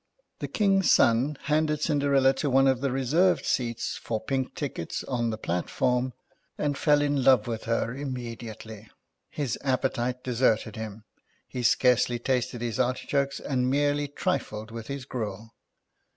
The King's son handed Cinderella to one of the reserved seats for pink tickets, on the platform, and fell in love with her immetii ately. His appetite deserted him ; he scarcely tasted his artichokes, and merely trifled with his gruel.